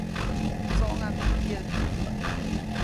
‒¡Tsoʼŋa mijt yäʼki!‒.